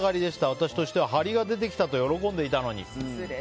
私としては張りが出てきたと喜んでいたのに。